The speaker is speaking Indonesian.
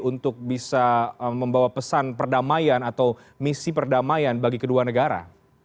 untuk bisa membawa pesan perdamaian atau misi perdamaian bagi kedua negara